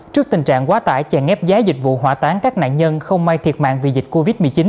trước tình trạng quá tải chạy ngép giá dịch vụ hỏa tán các nạn nhân không may thiệt mạng vì dịch covid một mươi chín